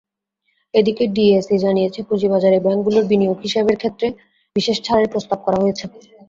এদিকে ডিএসই জানিয়েছে, পুঁজিবাজারে ব্যাংকগুলোর বিনিয়োগ হিসাবের ক্ষেত্রে বিশেষ ছাড়ের প্রস্তাব করা হয়েছে।